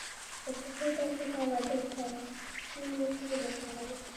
د پښو درد لپاره د سرسونو تېل وکاروئ